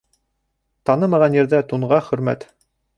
Танымаған ерҙә тунға хөрмәт.